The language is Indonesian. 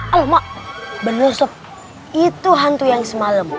aloh mak bener sob itu hantu yang semalam